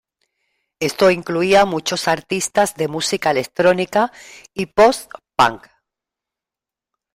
Esto incluía muchos artistas de música electrónica y "post-punk".